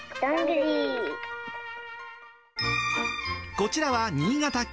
こちらは新潟県。